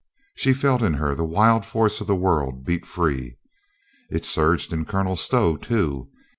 She felt in her the wild force of the world beat free. ... It surged in Colonel Stow, too.